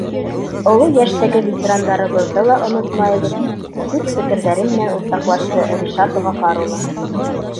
Оло йәштәге ветерандарыбыҙҙы ла онотмайбыҙ, — тип фекерҙәре менән уртаҡлашты Ришат Ғафар улы.